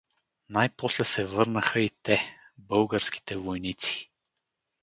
Най-после се върнаха и те — българските войници.